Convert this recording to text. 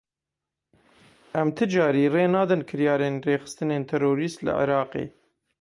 Em ti carî rê nadin kiryarên rêxistinên terorîst li Iraqê.